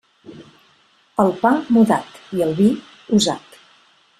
El pa, mudat, i el vi, usat.